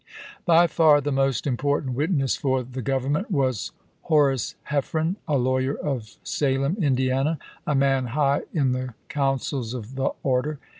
By far the most important witness for the Grov ernment was Horace Heffren, a lawyer of Salem, Indiana, a man high in the councils of the order.